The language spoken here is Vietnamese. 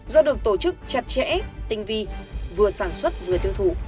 do được tổ chức chặt chẽ tinh vi vừa sản xuất vừa tiêu thụ